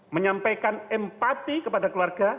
menyampaikan empati kepada keluarga